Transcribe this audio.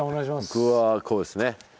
僕はこうですね。